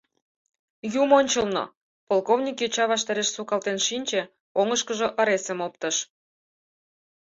Юмончылно! — полковник йоча ваштареш сукалтен шинче, оҥышкыжо ыресым оптыш.